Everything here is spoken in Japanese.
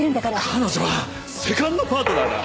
彼女はセカンドパートナーだ！